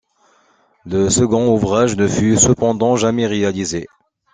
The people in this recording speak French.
Le second ouvrage ne fut cependant jamais réalisé.